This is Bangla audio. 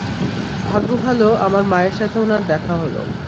ভাগ্য ভাল আমার মায়ের সাথে উনার দেখা হলো।